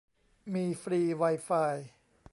มีฟรีไวไฟ